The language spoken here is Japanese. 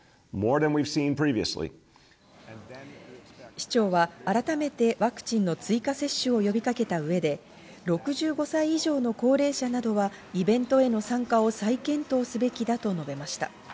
市長は改めてワクチンの追加接種を呼びかけた上で６５歳以上の高齢者などは、イベントへの参加を再検討すべきだと述べました。